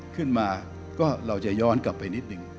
ขึ้นมาก็เราจะย้อนกลับไปนิดหนึ่ง